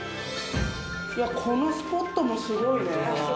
このスポットもすごいね！